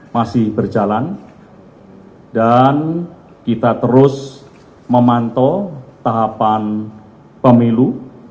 masih berjalan dan kita terus memantau tahapan pemilu